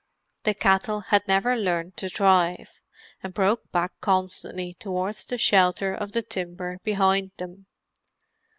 The cattle had never learned to drive, and broke back constantly towards the shelter of the timber behind them.